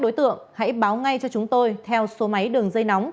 ba đối tượng đã phải nhận quy định truy nã